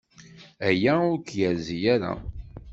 Aya ur k-yerzi ara.